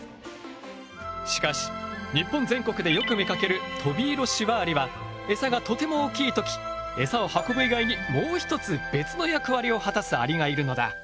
しかし日本全国でよく見かけるトビイロシワアリはエサがとても大きい時エサを運ぶ以外にもう一つ別の役割を果たすアリがいるのだ。